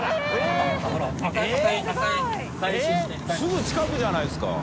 すぐ近くじゃないですか。